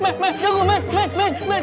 mas jangan lakukan mas